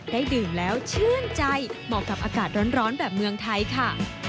ได้ดื่มแล้วชื่นใจเหมาะกับอากาศร้อนแบบเมืองไทยค่ะ